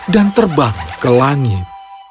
dan terbang ke langit